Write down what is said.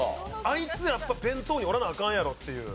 あいつやっぱ弁当におらなアカンやろっていう。